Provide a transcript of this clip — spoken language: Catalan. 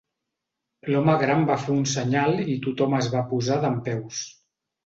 L'home gran va fer un senyal i tothom es va posar dempeus.